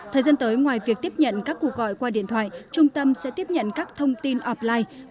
thời gian tới ngoài việc tiếp nhận các cuộc gọi qua điện thoại trung tâm sẽ tiếp nhận các thông tin offline